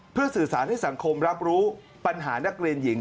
เพื่อสื่อสารให้สังคมรับรู้ปัญหานักเรียนหญิง